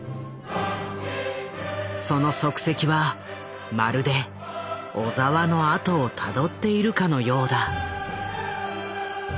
その足跡はまるで小澤のあとをたどっているかのようだ。